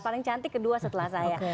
paling cantik kedua setelah saya